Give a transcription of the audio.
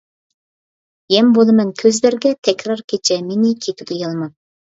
يەم بولىمەن كۆزلەرگە تەكرار كېچە مېنى كېتىدۇ يالماپ.